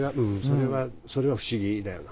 それは不思議だよな。